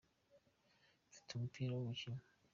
Mfite umupira wo gukina.